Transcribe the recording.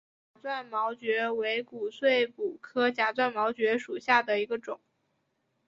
假钻毛蕨为骨碎补科假钻毛蕨属下的一个种。